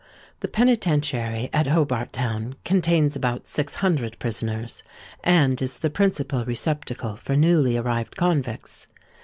The Penitentiary at Hobart Town contains about six hundred prisoners, and is the principal receptacle for newly arrived convicts.